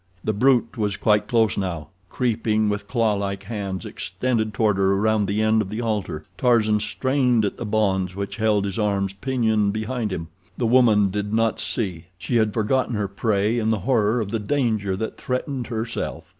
The brute was quite close now—creeping with clawlike hands extended toward her around the end of the altar. Tarzan strained at the bonds which held his arms pinioned behind him. The woman did not see—she had forgotten her prey in the horror of the danger that threatened herself.